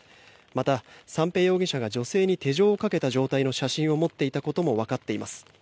また、三瓶容疑者が女性に手錠をかけた状態の写真を持っていたことも分かっています。